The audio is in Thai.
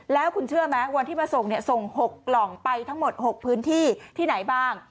แล้วคุณเชื่อไหมวันที่มาส่งเนี่ยส่ง๖กล่องไปทั้งหมด๖พื้นที่ที่ไหนบ้าง